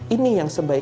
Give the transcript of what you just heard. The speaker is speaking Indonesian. ini yang sebaiknya